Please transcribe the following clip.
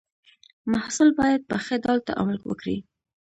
محصل باید په ښه ډول تعامل وکړي.